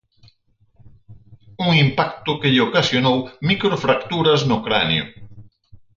Un impacto que lle ocasionou microfracturas no cranio.